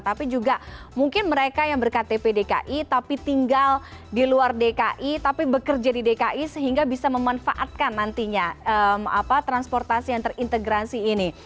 tapi juga mungkin mereka yang berktp dki tapi tinggal di luar dki tapi bekerja di dki sehingga bisa memanfaatkan nantinya transportasi yang terintegrasi ini